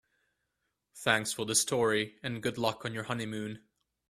Thanks for the story and good luck on your honeymoon.